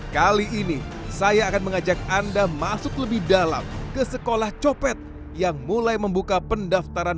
kali ini saya akan mengajak anda masuk lebih dalam ke sekolah copet yang mulai membuka pendaftaran